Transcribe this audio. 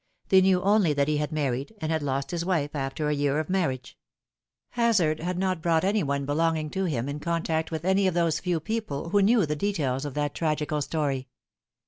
They knew only that he had married, and had lost his wife after a year of marriage. Hazard had not brought any one belonging to him in contact with any of those few people who knew the details of that tragical story.